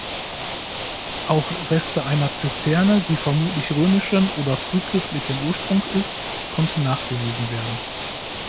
Auch Reste einer Zisterne die vermutlich römischen oder frühchristlichen Ursprungs ist konnten nachgewiesen werden.